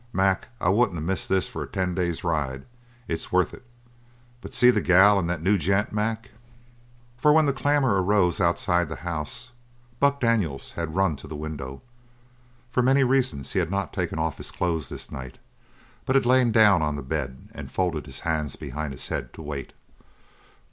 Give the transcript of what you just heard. "Mac, I wouldn't of missed this for a ten days' ride. It's worth it. But see the gal and that new gent, Mac!" For when the clamour arose outside the house, Buck Daniels had run to the window. For many reasons he had not taken off his clothes this night, but had lain down on the bed and folded his hands behind his head to wait.